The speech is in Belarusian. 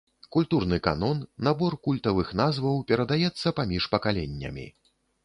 Культурны канон, набор культавых назваў перадаецца паміж пакаленнямі.